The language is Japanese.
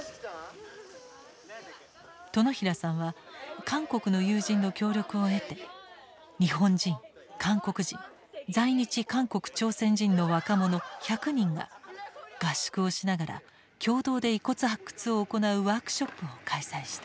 殿平さんは韓国の友人の協力を得て日本人韓国人在日韓国・朝鮮人の若者１００人が合宿をしながら共同で遺骨発掘を行うワークショップを開催した。